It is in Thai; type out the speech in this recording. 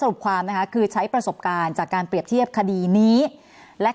ความนะคะคือใช้ประสบการณ์จากการเปรียบเทียบคดีนี้และ